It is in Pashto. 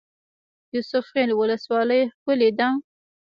یوسف خیل ولسوالۍ ښکلې ده؟